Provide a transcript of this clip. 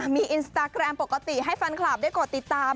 มีอินสตาแกรมปกติให้แฟนคลับได้กดติดตาม